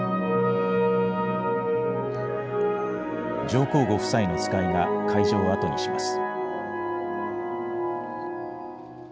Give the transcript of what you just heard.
上皇ご夫妻の使いが会場を後にします。